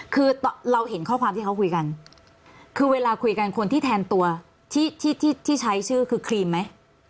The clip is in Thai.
คือเราเห็นข้อความที่เขาคุยกันคือเวลาคุยกันคนที่แทนตัวที่ที่ใช้ชื่อคือครีมไหม